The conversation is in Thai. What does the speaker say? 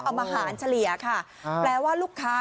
เอาอาหารเฉลี่ยค่ะแปลว่าลูกค้า